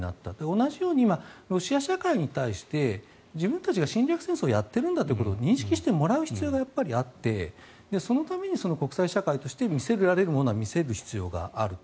同じように今、ロシア社会に対して自分たちが侵略戦争をやっているんだということを認識してもらう必要があってそのために、国際社会として見せられるものは見せる必要があると。